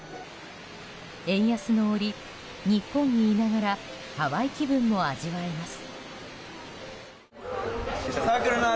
円安の折、日本にいながらハワイ気分も味わえます。